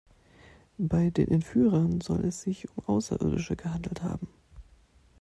Bei den Entführern soll es sich um Außerirdische gehandelt haben.